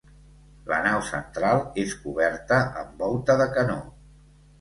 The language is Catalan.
La nau central és coberta amb volta de canó.